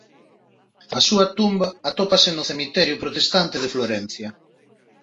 A súa tumba atópase no cemiterio protestante de Florencia.